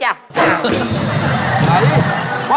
ยังไกล